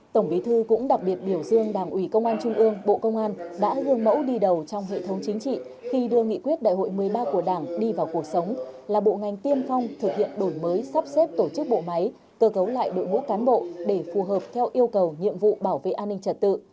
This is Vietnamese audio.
tổng bí thư cũng đặc biệt biểu dương đảng ủy công an trung ương bộ công an đã gương mẫu đi đầu trong hệ thống chính trị khi đưa nghị quyết đại hội một mươi ba của đảng đi vào cuộc sống là bộ ngành tiên phong thực hiện đổi mới sắp xếp tổ chức bộ máy cơ cấu lại đội ngũ cán bộ để phù hợp theo yêu cầu nhiệm vụ bảo vệ an ninh trật tự